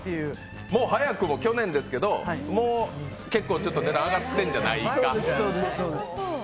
もう早くも去年ですけど結構値段上がってるんじゃないかと。